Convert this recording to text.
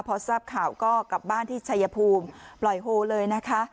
พอทราบข่าวก็กลับบ้านที่ชัยภูมิปล่อยโฮเลยนะคะ